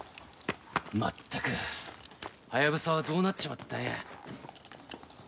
まったくハヤブサはどうなっちまったんや？